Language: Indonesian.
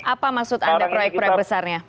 apa maksud anda proyek proyek besarnya